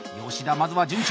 まずは順調！